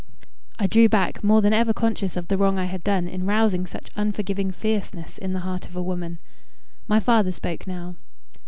I drew back, more than ever conscious of the wrong I had done in rousing such unforgiving fierceness in the heart of a woman. My father spoke now.